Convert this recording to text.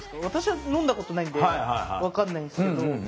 私はのんだことないんで分かんないんですけど。